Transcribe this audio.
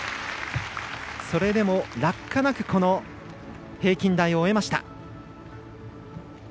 それでも落下なく平均台を終えました。